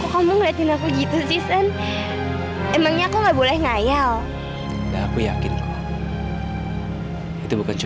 kau ngerti aku gak bahas maksud aja